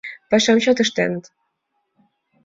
Пашам чот ыштеныт.